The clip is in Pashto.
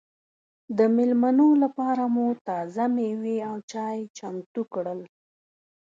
د مېلمنو لپاره مو تازه مېوې او چای چمتو کړل.